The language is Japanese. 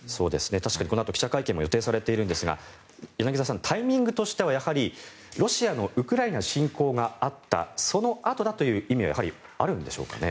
確かにこのあと記者会見も予定されているんですが柳澤さん、タイミングとしてはロシアのウクライナ侵攻があったそのあとだという意味はやはりあるんでしょうかね。